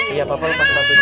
iya papa lu pas pas kesitu